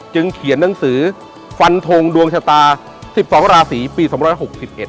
เขียนหนังสือฟันทงดวงชะตาสิบสองราศีปีสองร้อยหกสิบเอ็